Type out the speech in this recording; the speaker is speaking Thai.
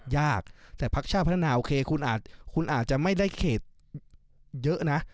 ยากแต่พักชาติพัฒนาโอเคคุณอาจจะไม่ได้เขตเยอะนะ